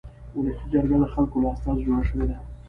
ولسي جرګه د خلکو له استازو جوړه شوې ده.